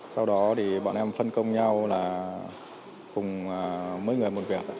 sau đó thì bọn em phân công nhau là cùng mấy người một việc